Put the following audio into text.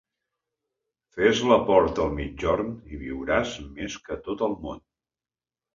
Fes la porta al migjorn i viuràs més que tot el món.